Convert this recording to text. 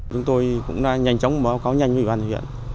chúng tôi cũng nhanh chóng báo cáo nhanh với ủy ban huyện